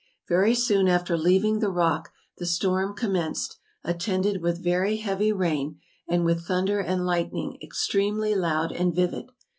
... Very soon after leaving the rock the storm commenced, attended with very heavy rain, and with thunder and lightning extremely loud and vivid.